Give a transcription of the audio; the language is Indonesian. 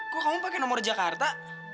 kok kamu pakai nomor jakarta